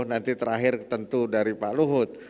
nanti terakhir tentu dari pak luhut